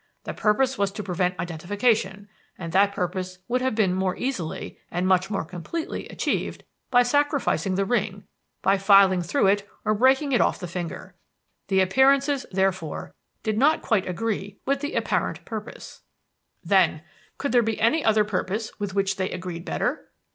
The purpose was to prevent identification; and that purpose would have been more easily, and much more completely, achieved by sacrificing the ring, by filing through it or breaking it off the finger. The appearances, therefore, did not quite agree with the apparent purpose. "Then, could there be any other purpose with which they agreed better?